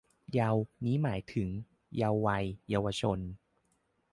เยาว์ นี้หมายถึง เยาว์วัย เยาวชน